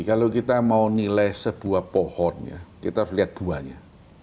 kalau kita mau nilai sebuah pohon ya kita harus lihat duanya